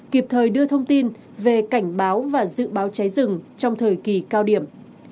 kịp thời đưa thông tin về cảnh báo và dự báo cháy rừng trong thời kỳ cao điểm